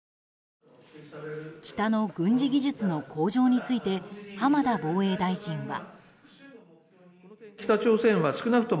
北の軍事技術の向上について浜田防衛大臣は。